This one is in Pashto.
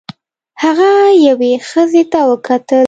هغه یوې ښځې ته وکتل.